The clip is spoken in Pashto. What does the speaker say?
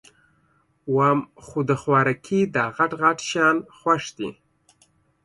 وام خو د خوارکي داغټ غټ شیان خوښ دي